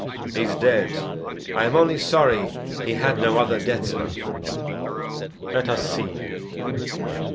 He's dead. I am only sorry He had no other deathsman. Let us see.